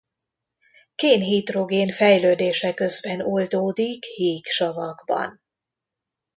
Kén-hidrogén fejlődése közben oldódik híg savakban.